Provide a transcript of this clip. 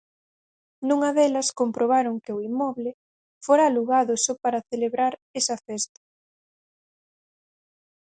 Nunha delas comprobaron que o inmoble fora alugado só para celebrar esa festa.